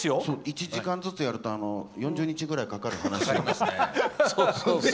１時間ずつやると４０日くらいかかる話をね。